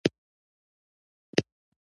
دوی د سیمنټو په تولید کې لومړی دي.